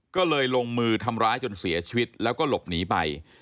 ก็เลยลงมือทำร้ายจนเสียชีวิตแล้วก็หลบหนีไป